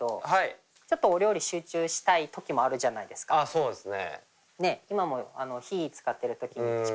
そうですね。